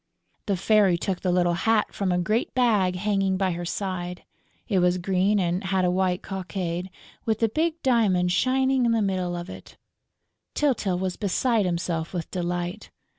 The Fairy took the little hat from a great bag hanging by her side. It was green and had a white cockade, with the big diamond shining in the middle of it. Tyltyl was beside himself with delight.